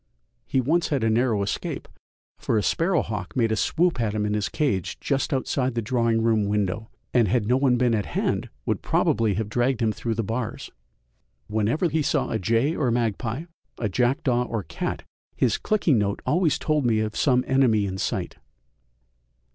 He once had a narrow escape, for a sparrow hawk made a swoop at him in his cage just outside the drawing room window, and had no one been at hand would probably have dragged him through the bars. Whenever he saw a jay or magpie, a jackdaw or cat, his clicking note always told me of some enemy in sight.